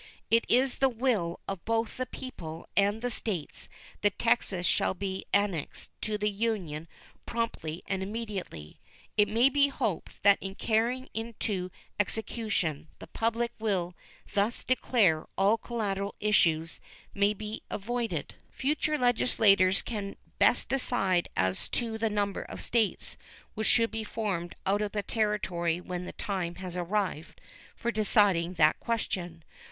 It is the will of both the people and the States that Texas shall be annexed to the Union promptly and immediately. It may be hoped that in carrying into execution the public will thus declared all collateral issues may be avoided. Future Legislatures can best decide as to the number of States which should be formed out of the territory when the time has arrived for deciding that question.